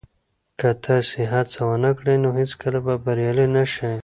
که تاسي هڅه ونه کړئ نو هیڅکله به بریالي نه شئ.